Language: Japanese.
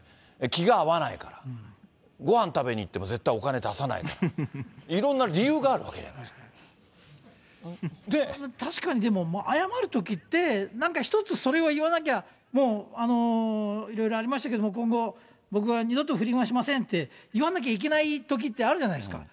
気が合わないから、ごはん食べに行っても絶対お金出さないから、いろんな理由がある確かにでも、謝るときって、なんか一つそれを言わなきゃ、もう、いろいろありましたけど、今後、僕は二度と不倫はしませんって言わなきゃいけないときってあるじゃないですか。